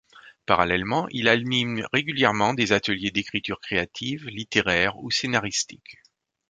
Parallèlement il anime régulièrement des ateliers d'écriture créative, littéraire ou scénaristique.